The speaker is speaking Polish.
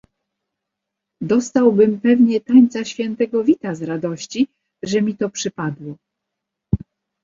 "Dostałbym pewnie tańca świętego Wita z radości, że mi to przypadło."